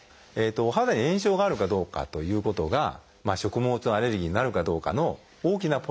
お肌に炎症があるかどうかということが食物アレルギーになるかどうかの大きなポイントになるんですね。